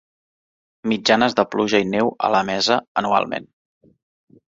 Mitjanes de pluja i neu a Lamesa anualment.